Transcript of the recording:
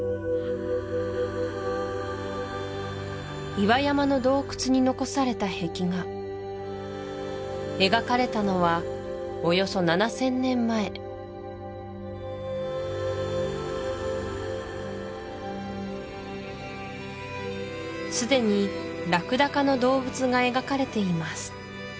岩山の洞窟に残された壁画描かれたのはおよそ７０００年前すでにラクダ科の動物が描かれています